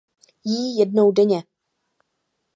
Jí jednou denně.